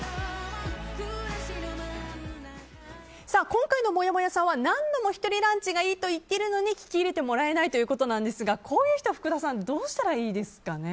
今回のもやもやさんは何度も１人ランチがいいと言っているのに聞き入れてもらえないということなんですがこういう人は福田さんどうしたらいいですかね？